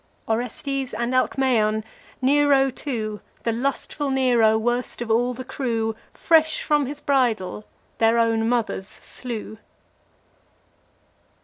Orestes and Alcaeon Nero too, The lustful Nero, worst of all the crew, Fresh from his bridal their own mothers slew.